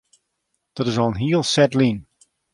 Dat is al in hiel set lyn.